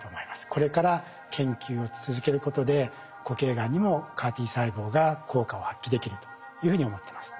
これから研究を続けることで固形がんにもＣＡＲ−Ｔ細胞が効果を発揮できるというふうに思ってます。